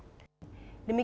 demikian dialog ini